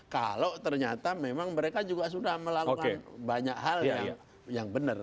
kalau ternyata memang mereka juga sudah melakukan banyak hal yang benar